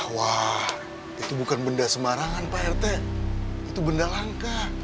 wah itu bukan benda sembarangan pak rt itu benda langka